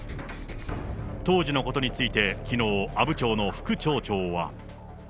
当時のことについて、きのう、阿武町の副町長は。